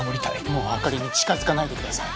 もう朱莉に近づかないでください。